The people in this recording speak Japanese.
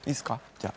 じゃあ。